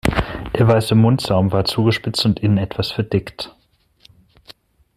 Der weiße Mundsaum war zugespitzt und innen etwas verdickt.